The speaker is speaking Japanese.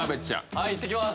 はいいってきます